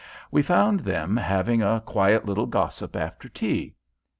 We found them having a quiet little gossip after tea.